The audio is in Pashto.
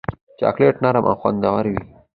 چاکلېټ نرم او خوندور وي.